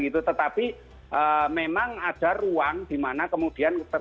tetapi memang ada ruang dimana kemudian kita